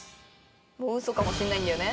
もうウソかもしんないんだよね